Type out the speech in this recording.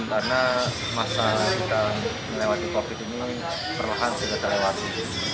karena masa kita melewati covid ini perlahan sudah terlewati